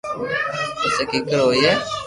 پسي ڪآڪر ھوئي